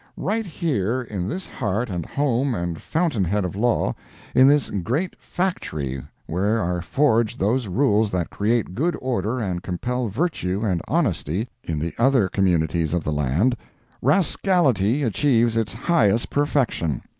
Right here in this heart and home and fountain head of law—in this great factory where are forged those rules that create good order and compel virtue and honesty in the other communities of the land, rascality achieves its highest perfection.